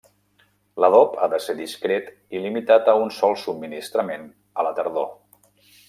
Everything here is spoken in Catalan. L'adob ha de ser discret i limitat a un sol subministrament a la tardor.